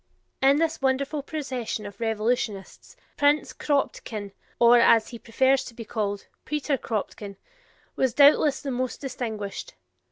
In this wonderful procession of revolutionists, Prince Kropotkin, or, as he prefers to be called, Peter Kropotkin, was doubtless the most distinguished.